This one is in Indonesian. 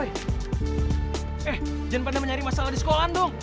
eh jangan pada menyari masalah di sekolah dong